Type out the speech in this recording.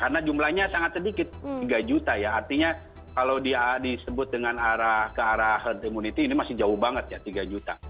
karena jumlahnya sangat sedikit tiga juta ya artinya kalau disebut dengan ke arah heart immunity ini masih jauh banget ya tiga juta